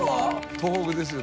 東北ですよ